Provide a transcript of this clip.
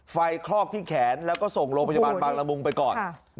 คลอกที่แขนแล้วก็ส่งโรงพยาบาลบางละมุงไปก่อน